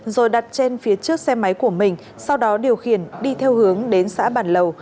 rồi đặt trên phía trước xe máy của mình sau đó điều khiển đi theo hướng đến xã bản lầu